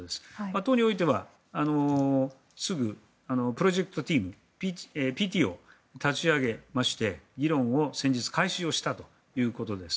党においてはすぐプロジェクトチームＰＴを立ち上げまして、議論を先日開始したということです。